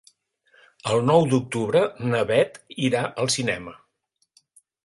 El nou d'octubre na Beth irà al cinema.